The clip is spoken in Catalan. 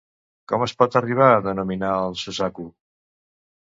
Com es pot arribar a denominar el Suzaku?